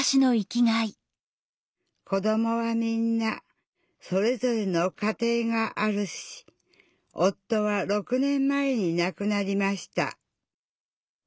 子どもはみんなそれぞれの家庭があるし夫は６年前に亡くなりました。